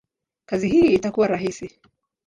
kazi hii itakuwa rahisi?